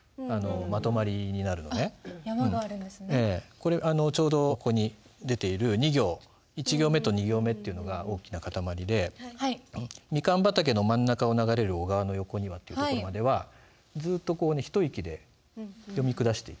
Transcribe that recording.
これちょうどここに出ている２行１行目と２行目っていうのが大きな塊で「蜜柑畑の真ん中を流れる小川の横には」っていうところまではずっとこう一息で読み下していってるね。